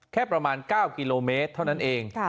แค่ประมาณ๙กิโลเมตรเท่านั้นเอง